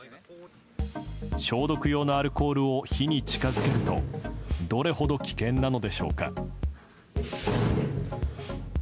消毒用のアルコールを火に近づけるとどれほど危険なのでしょうか。